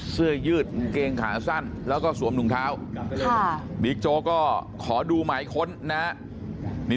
เสื้อยืดกางเกงขาสั้นแล้วก็สวมถุงเท้าบิ๊กโจ๊กก็ขอดูหมายค้นนะฮะ